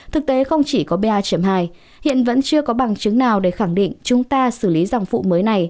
thực tế không chỉ có ba hai hiện vẫn chưa có bằng chứng nào để khẳng định chúng ta xử lý dòng phụ mới này